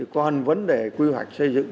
có hành vấn đề quy hoạch xây dựng